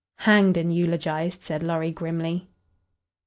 "Hanged and eulogized," said Lorry, grimly.